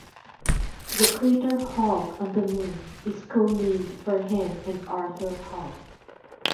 The crater Hogg on the Moon is co-named for him and Arthur Hogg.